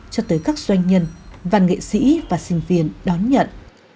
cho tới các doanh nhân văn nghệ sĩ và sinh viên đón nhận